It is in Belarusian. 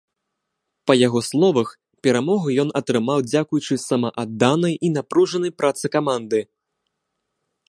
Па яго словах, перамогу ён атрымаў дзякуючы самаадданай і напружанай працы каманды.